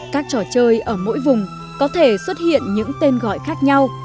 các trò chơi ở mỗi vùng có thể xuất hiện những tên gọi khác nhau